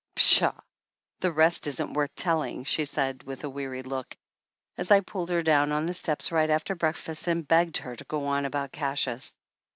"Pshaw! The rest isn't worth telling," she said with a weary look, as I pulled her down on the steps right after breakfast and begged her to go on about Cassius.